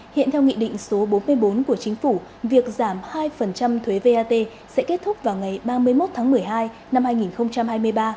hiện theo nghị định số bốn mươi bốn của chính phủ việc giảm hai thuế vat sẽ kết thúc vào ngày ba mươi một tháng một mươi hai năm hai nghìn hai mươi ba